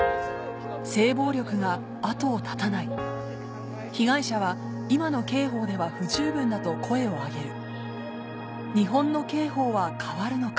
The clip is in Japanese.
性暴力が後を絶たない被害者は今の刑法では不十分だと声を上げる日本の刑法は変わるのか